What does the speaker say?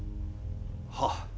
はっ。